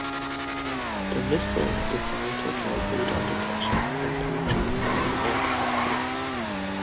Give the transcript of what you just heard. The missile is designed to avoid radar detection and penetrate enemy air defences.